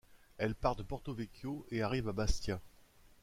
Elle part de Porto-Vecchio et arrive à Bastia.